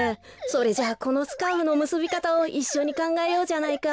それじゃあこのスカーフのむすびかたをいっしょにかんがえようじゃないか。